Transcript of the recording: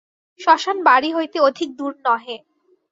শ্মশান বাড়ি হইতে অধিক দূর নহে।